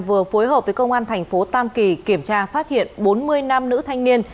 vừa phối hợp với công an thành phố tam kỳ kiểm tra phát hiện bốn mươi nam nữ thanh niên